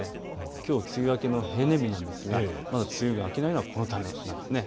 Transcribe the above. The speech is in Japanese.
きょう梅雨明けの平年日なんですがまた梅雨が明けないのはこのためなんです。